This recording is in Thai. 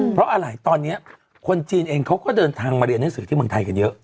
เพราะอะไรตอนนี้คนจีนเองเขาก็เดินทางมาเรียนหนังสือที่เมืองไทยกันเยอะ